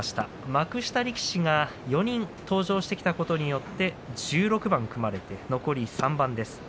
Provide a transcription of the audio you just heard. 幕下力士が４人登場してきたことによって１６番組まれて残り３番です。